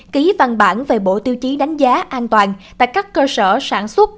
ký văn bản về bộ tiêu chí đánh giá an toàn tại các cơ sở sản xuất